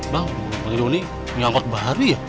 bang bang joni punya angkot baru ya